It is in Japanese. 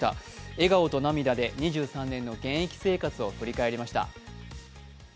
笑顔と涙で２３年の現役生活を振り返りました。